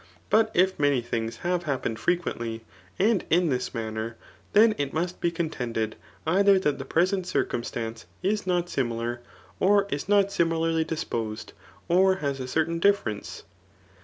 But if many things have happened frequeniiy, and in this manner^ then it must, be contetided dther tint the present circumstance, is not similar, or is not simihrly disposed, or has a certain difference.